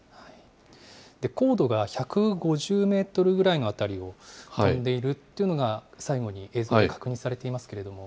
高度が１５０メートルぐらいの辺りを飛んでいるというのが最後に映像で確認されていますけれども。